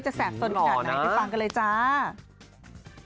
จะแสบสนขนาดไหนไปฟังกันเลยจ้าอ๋อหล่อนะ